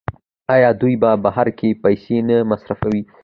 آیا دوی په بهر کې پیسې نه مصرفوي؟